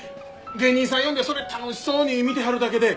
芸人さん呼んでそれ楽しそうに見てはるだけで。